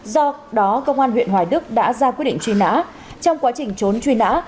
do đó công an huyện hoài đức đã ra quyết định chuyên nã trong quá trình trốn chuyên nã